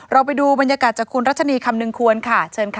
ไปดูบรรยากาศจากคุณรัชนีคำนึงควรค่ะเชิญค่ะ